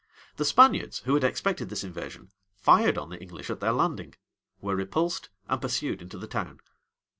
The Spaniards, who had expected this invasion, fired on the English at their landing, were repulsed, and pursued into the town.